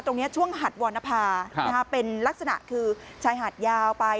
ตรงนี้ช่วงหัดวรรณภาเป็นลักษณะคือชายหาดยาวไป